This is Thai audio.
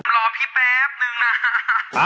รอพี่แป๊บนึงนะฮะ